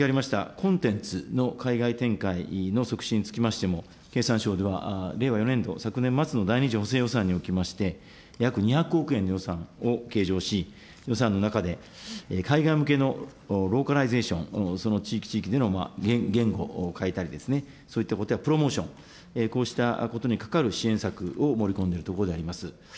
コンテンツの海外展開の促進につきましても、経産省では令和４年度・昨年末の第２次補正予算におきまして、約２００億円の予算を計上し、予算の中で、海外向けのローカライゼーション、その地域地域での言語をかえたり、そういったことやプロモーション、こうしたことにかかる支援策を盛り込んでいるところであります。